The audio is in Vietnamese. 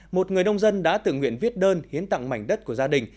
một người nông dân đã tự nguyện viết đơn hiến tặng mảnh đất của gia đình